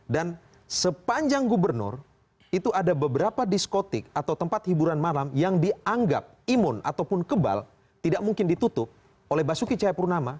dan sepanjang gubernur itu ada beberapa diskotik atau tempat hiburan malam yang dianggap imun ataupun kebal tidak mungkin ditutup oleh basuki cahayapurnama